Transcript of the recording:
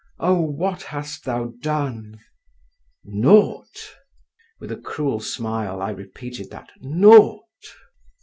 Oh, what hast thou done?… Naught!" With what a cruel smile I repeated that "Naught!"